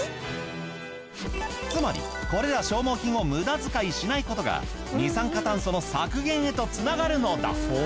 つまりこれら消耗品を無駄遣いしないことが二酸化炭素の削減へとつながるのだ。